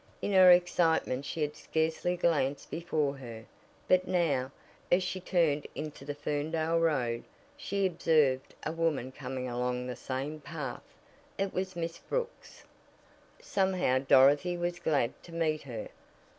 In her excitement she had scarcely glanced before her, but now, as she turned into the Ferndale road, she observed a woman coming along the same path. It was Miss Brooks. Somehow Dorothy was glad to meet her.